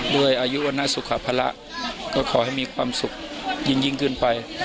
ด้วยอายุวรรณสุขภาระก็ขอให้มีความสุขยิ่งขึ้นไป